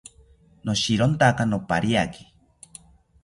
Noshirontaka nopariaki